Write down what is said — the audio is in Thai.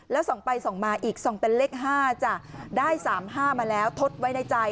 แล้วส่องไปส่องมาอีกส่องเป็นเลข๕จ้ะได้๓๕มาแล้วทดไว้ในใจ